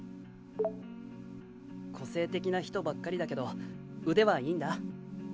個性的な人ばっかりだけど腕はいいんだ。